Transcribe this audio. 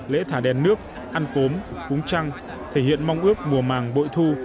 lễ thả đèn nước ăn cốm cúng trăng thể hiện mong ước mùa màng bội thu